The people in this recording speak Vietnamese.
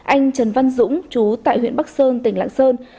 anh trần văn dũng chú tại huyện bắc sơn tỉnh lạng sơn